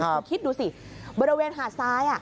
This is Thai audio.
คุณคิดดูสิบริเวณหาดซ้าย